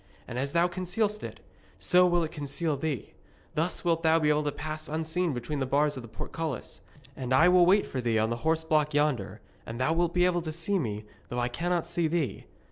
And as thou concealest it, so will it conceal thee. Thus wilt thou be able to pass unseen between the bars of the portcullis. And I will wait for thee on the horseblock yonder, and thou wilt be able to see me, though I cannot see thee.